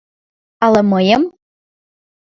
Ала мыйым?..